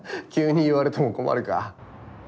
急に言われても困るか。